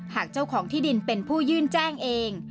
หากเจ้าของที่ดินเป็นผู้ยื่นแจ้งเอง